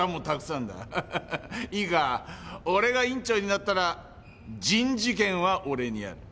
ハハハッいいか俺が院長になったら人事権は俺にある。